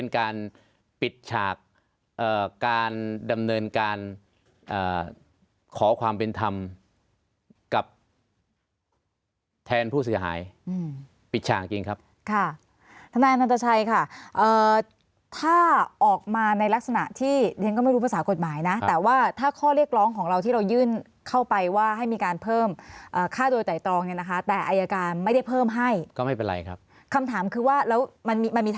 การปิดฉากการดำเนินการขอความเป็นธรรมกับแทนผู้เสียหายปิดฉากจริงครับค่ะทนายนันตชัยค่ะถ้าออกมาในลักษณะที่เรียนก็ไม่รู้ภาษากฎหมายนะแต่ว่าถ้าข้อเรียกร้องของเราที่เรายื่นเข้าไปว่าให้มีการเพิ่มค่าโดยไตรตรองเนี่ยนะคะแต่อายการไม่ได้เพิ่มให้ก็ไม่เป็นไรครับคำถามคือว่าแล้วมันมีท